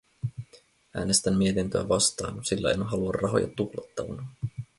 Äänestän mietintöä vastaan, sillä en halua rahoja tuhlattavan.